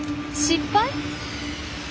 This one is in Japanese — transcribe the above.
失敗？